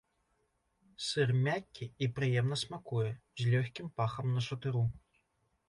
Сыр мяккі і прыемна смакуе з лёгкім пахам нашатыру.